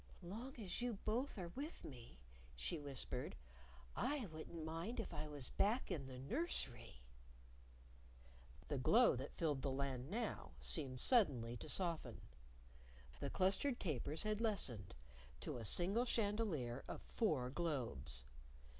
"Long as you both are with me," she whispered, "I wouldn't mind if I was back in the nursery." The glow that filled the Land now seemed suddenly to soften. The clustered tapers had lessened to a single chandelier of four globes.